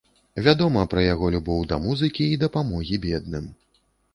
Вядома пра яго любоў да музыкі і дапамогі бедным.